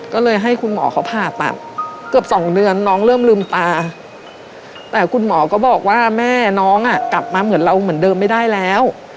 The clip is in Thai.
ก็เลยให้คุณหมอเขาผ่าตัดเกือบสองเดือนน้องเริ่มลืมตาแต่คุณหมอก็บอกว่าแม่น้องอ่ะกลับมาเหมือนเราเหมือนเดิมไม่ได้แล้ว